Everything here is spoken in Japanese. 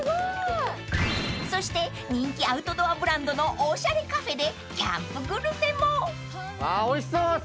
［そして人気アウトドアブランドのおしゃれカフェでキャンプグルメも］ああおいしそう！